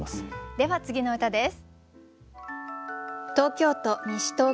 では次の歌です。